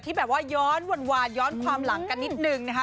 แบบว่าย้อนหวานย้อนความหลังกันนิดนึงนะคะ